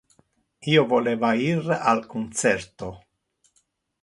Io voleva ir al concerto.